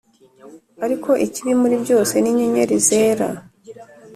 ariko ikibi muri byose ni inyenyeri zera,